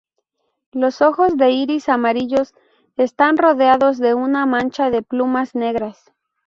Los ojos, de iris amarillos, están rodeados de una mancha de plumas negras.